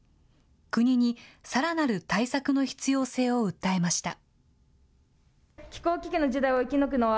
国にさらなる対策の必要性を訴えました。